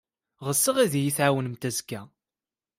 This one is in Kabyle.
Ɣseɣ ad iyi-tɛawnemt azekka.